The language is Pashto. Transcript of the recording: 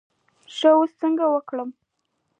ښه اوس څنګه وکړم.